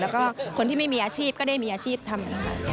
แล้วก็คนที่ไม่มีอาชีพก็ได้มีอาชีพทำ